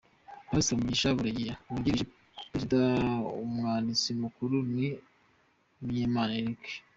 Past Mugisha Buregeya wungirije Perezida, Umwanditsi Mukuru ni Munyemana Eric.